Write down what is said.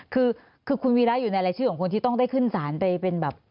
คือคุณวีระอยู่ในรายชื่อของคนที่ต้องได้ขึ้นสารไปเป็นแบบ